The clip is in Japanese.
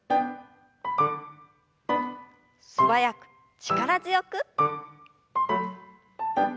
素早く力強く。